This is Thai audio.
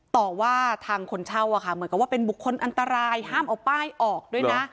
ต่อว่าทางคนเช่าเหมือนกับว่าเป็นบุคคลอันตรายห้ามเอาป้ายออกด้วยนะ